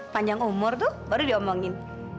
panjang umur tuh baru diomongin